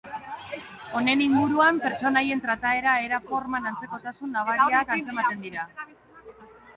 Honen inguruan, pertsonaien trataera era forman antzekotasun nabariak antzematen dira.